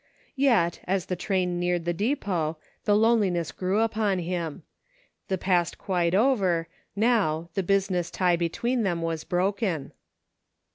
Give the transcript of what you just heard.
Yet, as the train neared the depot, the loneliness grew upon him. The past quite over, now, the business tie between them was broken.